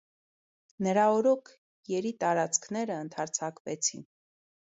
Նրա օրոք, երի տարածքները ընդարձակվեցին։